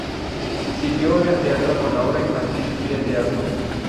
Siguió en el teatro con la obra infantil "Piel de asno".